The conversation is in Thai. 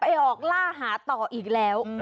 ออกล่าหาต่ออีกแล้ว